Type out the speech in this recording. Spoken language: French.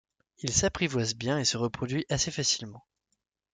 Il s'apprivoise bien et se reproduit assez facilement.